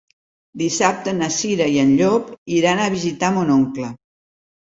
Dissabte na Cira i en Llop iran a visitar mon oncle.